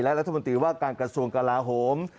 และรัฐมนตรีว่าการกระทรวงกลาโหม